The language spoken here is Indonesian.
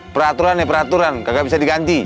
peraturan ya peraturan kagak bisa diganti